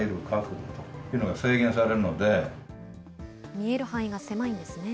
見える範囲が狭いんですね。